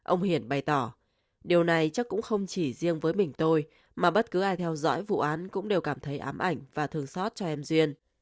ông hiển bày tỏ điều này chắc cũng không chỉ riêng với mình tôi mà bất cứ ai theo dõi vụ án cũng đều cảm thấy ám ảnh và thường xót cho em duyên